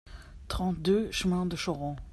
trente-deux chemin de Chauron